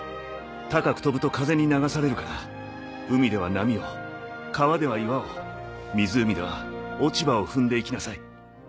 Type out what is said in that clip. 高く飛ぶと風に流されるから海では波を川では岩を湖では落ち葉を踏んで行きなさい」。